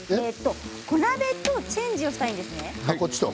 小鍋とチェンジしたいんですね。